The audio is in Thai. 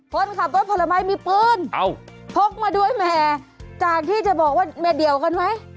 คนขับรถผลไม้มีปืนพกมาด้วยแหมจากที่จะบอกว่าเมียเดียวกันไหม